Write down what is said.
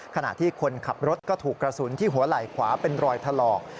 ขณะที่คนขับรถก็ถูกกระสุนที่หัวไหล่ขวาเป็นรอยถลอก